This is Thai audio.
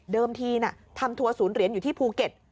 ทีทำทัวร์ศูนย์เหรียญอยู่ที่ภูเก็ต